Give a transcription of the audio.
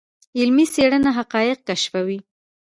علمي څېړنه حقایق کشفوي.